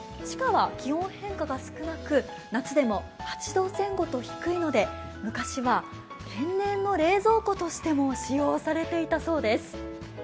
地下は気温変化が少なく夏でも８度前後と低いので、昔は天然の冷蔵庫としても使用されていたそうです。